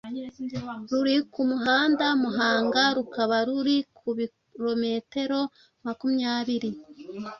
ruri ku muhanda Muhanga– rukaba ruri ku birometero makumyabiri